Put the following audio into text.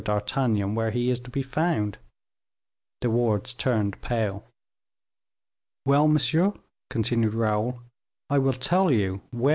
d'Artagnan where he is to be found." De Wardes turned pale. "Well, monsieur," continued Raoul, "I will tell you where M.